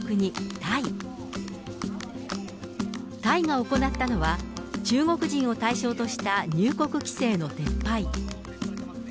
タイが行ったのは、中国人を対象とした入国規制の撤廃。